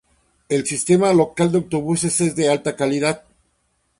El sistema local de autobuses es de alta calidad.